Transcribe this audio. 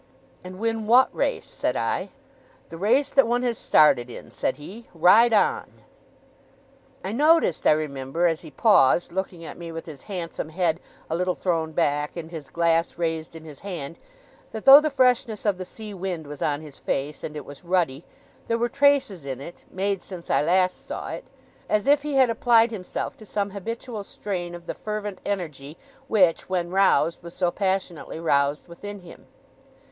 'And win what race?' said I. 'The race that one has started in,' said he. 'Ride on!' I noticed, I remember, as he paused, looking at me with his handsome head a little thrown back, and his glass raised in his hand, that, though the freshness of the sea wind was on his face, and it was ruddy, there were traces in it, made since I last saw it, as if he had applied himself to some habitual strain of the fervent energy which, when roused, was so passionately roused within him.